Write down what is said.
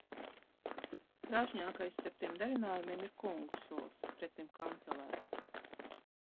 Krāšņākais starp tiem darinājumiem ir kungu sols, pretim kancelei.